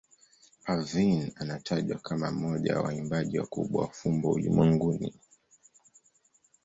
Parveen anatajwa kama mmoja wa waimbaji wakubwa wa fumbo ulimwenguni.